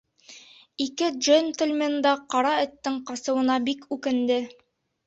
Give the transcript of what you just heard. Ике джентльмен да Ҡара Эттең ҡасыуына бик үкенде.